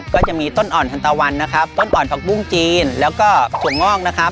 ก็จะมีต้นอ่อนธันตาวันต้นอ่อนผักปุ้งจีนแล้วก็ส่วงงอก